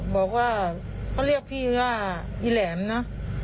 บอกว่าเขาเรียกพี่ว่าอีแหลมนะ